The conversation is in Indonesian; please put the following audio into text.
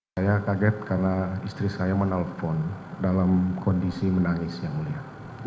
saya kaget karena istri saya menelpon dalam kondisi menangis yang mulia